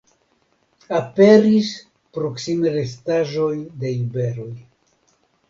Aperis proksime restaĵoj de iberoj.